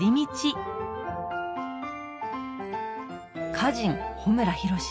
歌人・穂村弘。